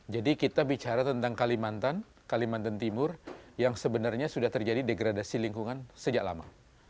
jadi kita bicara tentang kalimantan kalimantan timur yang sebenarnya sudah terjadi degradasi lingkungan sejak lama